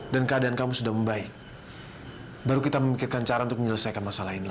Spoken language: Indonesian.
dan keadaan kamu sudah membaik baru kita memikirkan cara untuk menyelesaikan masalah ini mila